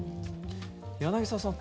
柳澤さん